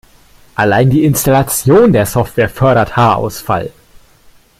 Allein die Installation der Software fördert Haarausfall.